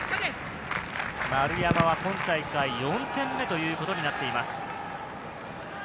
丸山は今大会、４点目ということになっています。